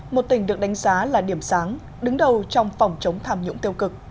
một tỉnh được đánh giá là điểm sáng đứng đầu trong phòng chống tham nhũng tiêu cực